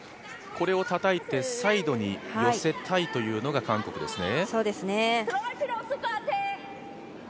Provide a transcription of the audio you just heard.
これをたたいてサイドに寄せたいというのが韓国ですね。